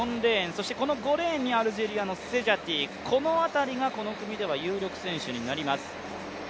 そして５レーンにアルジェリアのセジャティ、この辺りがこの組では有力選手になります。